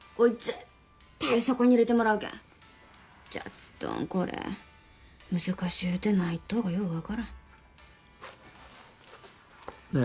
絶対そこに入れてもらうけんじゃっどんこれ難しゅうて何言っとうかよう分からんねえ